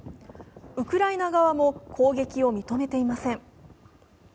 ウクライナ側も、攻撃を認めていません。